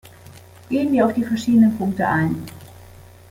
Gehen wir auf die verschiedenen Punkte ein.